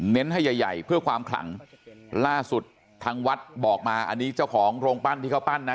ให้ใหญ่ใหญ่เพื่อความขลังล่าสุดทางวัดบอกมาอันนี้เจ้าของโรงปั้นที่เขาปั้นนะ